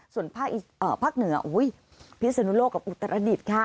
ส่วนภาคเหนือพิศนุโลกกับอุตรดิษฐ์ค่ะ